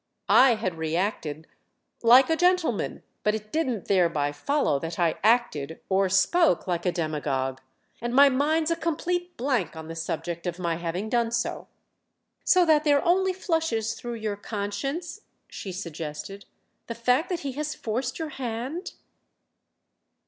"I had reacted—like a gentleman; but it didn't thereby follow that I acted—or spoke—like a demagogue; and my mind's a complete blank on the subject of my having done so." "So that there only flushes through your conscience," she suggested, "the fact that he has forced your hand?"